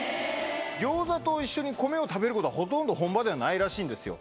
餃子と一緒に米を食べることは、ほとんど本場ではないらしいんですよ。